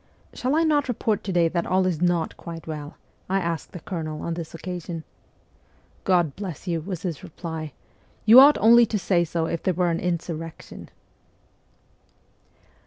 ' Shall I not report to day that all is not quite well?' I asked the colonel on this occasion. 1 God bless you,' was his reply, 'you ought only to say so if there were an insurrection